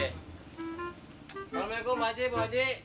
assalamualaikum pak haji bu haji